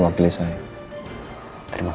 dan aku lelaki stretch